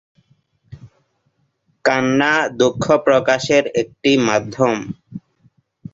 কান্না দুঃখ প্রকাশের একটি মাধ্যম।